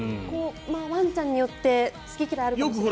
ワンちゃんによって好き嫌いあるかもしれないです。